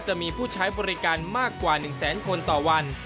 จะมีผู้ใช้บริการมากกว่า๑แสนคนต่อวัน